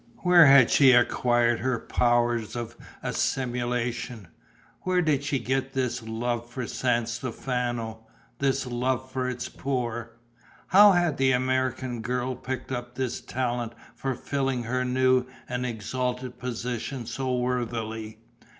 Where had she acquired her powers of assimilation? Where did she get this love for San Stefano, this love for its poor? How had the American girl picked up this talent for filling her new and exalted position so worthily?